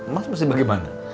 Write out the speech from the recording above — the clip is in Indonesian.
mas mesti bagaimana